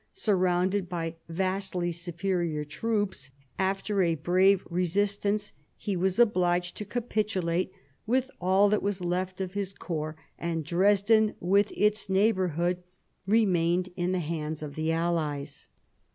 Surrounded by vastly superior troops, after a brave resistance, he was obliged to capitu late with all that was left of his corps, and Dresden with its neighbourhood remained in the hands of the allies.